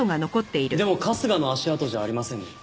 でも春日の足跡じゃありませんね。